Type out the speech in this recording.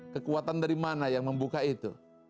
kekuatan dari mana yang membuka itu